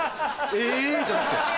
「え！」じゃなくて。